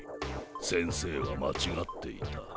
先生は間違っていた。